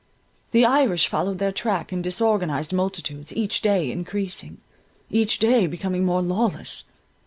The Irish followed their track in disorganized multitudes; each day encreasing; each day becoming more lawless.